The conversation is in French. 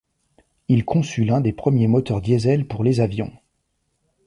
Il conçut l'un des premiers moteurs Diesel pour les avions.